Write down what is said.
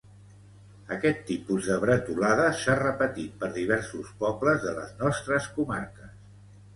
Aquest tipus de bretolada s’ha repetit per diversos pobles de les nostres comarques.